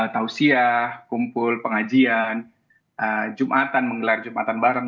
tausiah kumpul pengajian jumatan